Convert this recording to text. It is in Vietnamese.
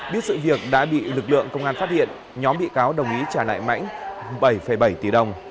biết sự việc đã bị lực lượng công an phát hiện nhóm bị cáo đồng ý trả lại mãnh bảy bảy tỷ đồng